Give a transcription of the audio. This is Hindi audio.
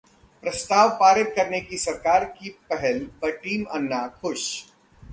प्रस्ताव पारित करने की सरकार की पहल पर टीम अन्ना खुश